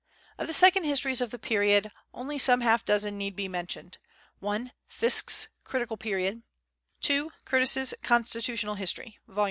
Of the secondary histories of the period, only some half dozen need be mentioned: (1) Fiske's "Critical Period," (2) Curtis's "Constitutional History," Vol.